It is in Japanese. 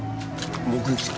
目撃者は？